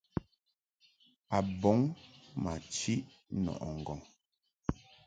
A bɔŋ ma chiʼ nɔʼɨ ŋgɔŋ.